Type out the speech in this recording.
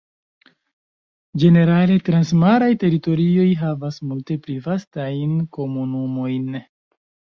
Ĝenerale, transmaraj teritorioj havas multe pli vastajn komunumojn.